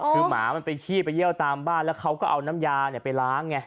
คือหมามันไปขี้ไปเยี่ยวตามบ้านแล้วเขาก็เอาน้ำยาไปล้างไง